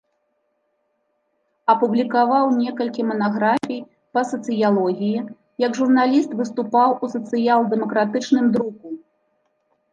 Апублікаваў некалькі манаграфій па сацыялогіі, як журналіст выступаў у сацыял-дэмакратычным друку.